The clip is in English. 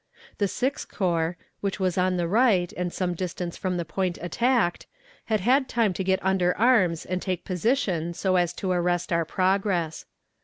The Sixth Corps, which was on the right, and some distance from the point attacked, had had time to get under arms and take position so as to arrest our progress.